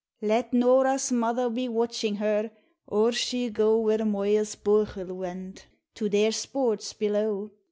Let Norah's mother be watchin' her or she'll go Where Moya's bouchal went, to their sports below.